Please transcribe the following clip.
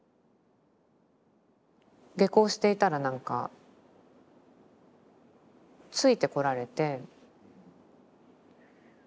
下校していたらなんかついてこられて。